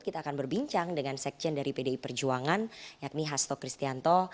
kita akan berbincang dengan sekjen dari pdi perjuangan yakni hasto kristianto